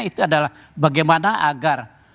itu adalah bagaimana agar